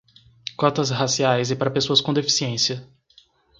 Cotas raciais e para pessoas com deficiência